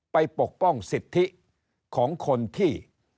ปกป้องสิทธิของคนที่